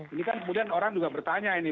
ini kan kemudian orang juga bertanya ini